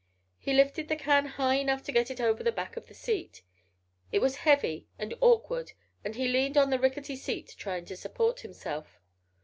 He lifted the can high enough to get it over the back of the seat. It was heavy, and awkward, and he leaned on the rickety seat trying to support himself.